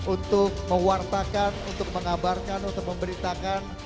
untuk mewartakan untuk mengabarkan untuk memberitakan